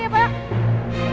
bikin ada pasangan